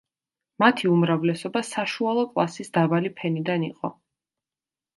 მათი უმრავლესობა საშუალო კლასის დაბალი ფენიდან იყო.